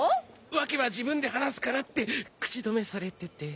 訳は自分で話すからって口止めされてて。